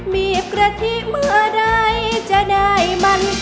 มีกระทริเมื่อได้จะได้มัน